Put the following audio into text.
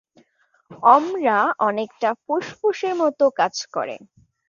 অমরা অনেকটা ফুসফুসের মতো কাজ করে।